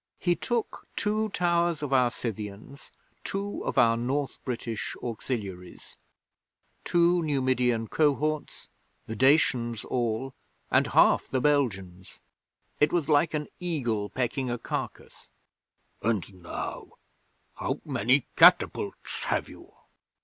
He took two towers of our Scythians, two of our North British auxiliaries, two Numidian cohorts, the Dacians all, and half the Belgians. It was like an eagle pecking a carcass. '"And now, how many catapults have you?"